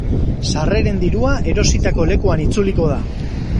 Sarreren dirua erositako lekuan itzuliko da.